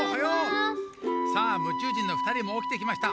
さあむちゅう人のふたりもおきてきました。